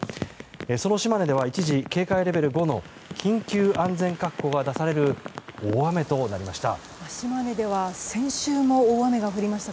その島根では一時警戒レベル５の緊急安全確保が出される大雨となりました。